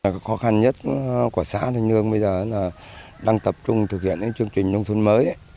khó khăn nhất của xã thanh lương bây giờ là đang tập trung thực hiện chương trình nông thôn mới